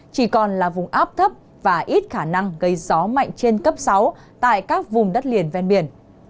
chỉ còn là vùng áp thấp và ít khả năng gây gió mạnh trên cấp sáu tại các vùng đất liền ven biển